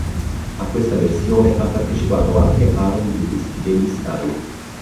A questa versione ha partecipato anche Aaron Lewis degli Staind.